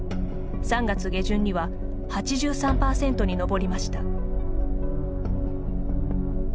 ３月下旬には８３％に上りました。